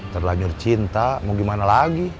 terlanjur cinta mau gimana lagi